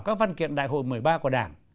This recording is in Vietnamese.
các văn kiện đại hội một mươi ba của đảng